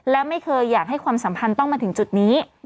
และไม่เคยอยากให้ความสัมพันธ์ต้องมาถึงจุดนี้